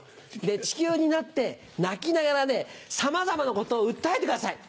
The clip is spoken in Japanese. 地球になって泣きながらさまざまなことを訴えてください。